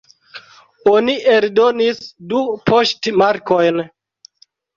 Oni eldonis du poŝtmarkojn.